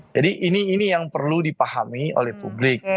jadi ini yang perlu dipahami oleh publik